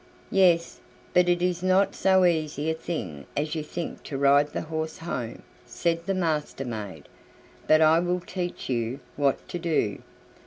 "Yes, but it is not so easy a thing as you think to ride the horse home," said the Master maid; "but I will teach you what to do.